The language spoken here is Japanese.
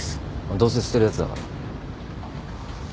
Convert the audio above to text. どうせ捨てるやつだから。